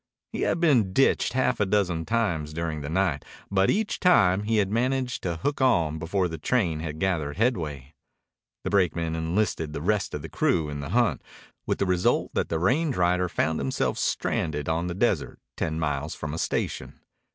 He had been ditched half a dozen times during the night, but each time he had managed to hook on before the train had gathered headway. The brakeman enlisted the rest of the crew in the hunt, with the result that the range rider found himself stranded on the desert ten miles from a station.